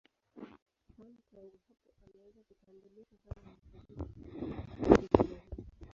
Khan tangu hapo ameanza kutambulika kama mwongozaji wa filamu za Kihindi vilevile.